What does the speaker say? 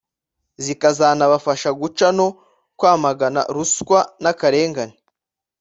zikazanabafasha guca no kwamagana ruswa n’akarengane